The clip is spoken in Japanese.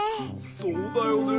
そうだよねえ。